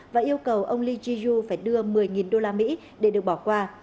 và yêu cầu ông lee ji yu phải đưa một mươi đô la mỹ để được bỏ qua